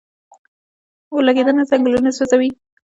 اورلګیدنه ځنګلونه سوځوي